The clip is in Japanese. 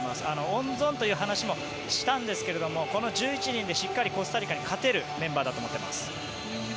温存という話もしたんですがこの１１人でしっかりコスタリカに勝てるメンバーだと思っています。